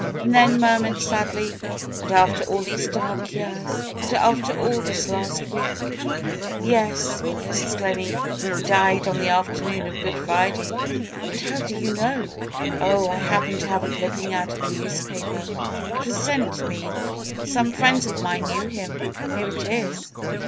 And then murmured sadly: '^And after all these dark years ! And after all this last week!" ^^Yes, Mrs. Gleney. He died on the afternoon of Good Friday." '^And how did you know?" ^*Oh, I happened to have a clipping out of a news paper. It was sent to me. Some friends of mine knew him. Here it is."